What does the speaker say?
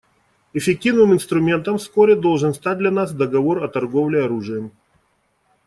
Эффективным инструментом вскоре должен стать для нас договор о торговле оружием.